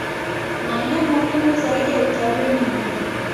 Maeneo muhimu zaidi ya utalii ni miji